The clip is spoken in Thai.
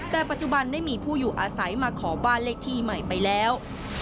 แต่ปัจจุบันได้มีผู้อยู่อาศัยมาขอบ้านเลขที่ใหม่ไปแล้ว